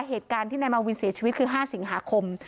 เหตุการณ์ที่นายมาวินเสียชีวิตคือ๕สิงหาคม